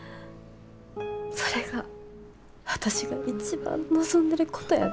それが私が一番望んでることやで。